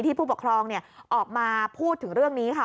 ผู้ปกครองออกมาพูดถึงเรื่องนี้ค่ะ